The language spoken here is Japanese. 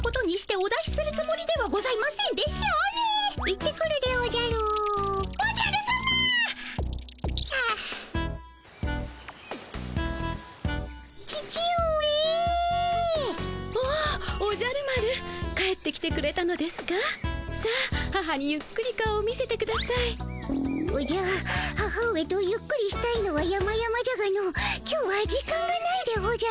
おじゃ母上とゆっくりしたいのはやまやまじゃがの今日は時間がないでおじゃる。